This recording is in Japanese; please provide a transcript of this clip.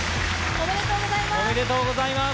おめでとうございます。